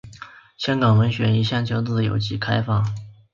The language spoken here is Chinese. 香港文学一向较自由及开放。